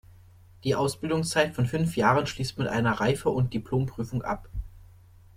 Die Ausbildungszeit von fünf Jahren schließt mit einer Reife- und Diplomprüfung ab.